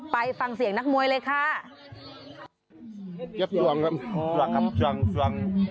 ไปฟังเสียงนักมวยเลยค่ะ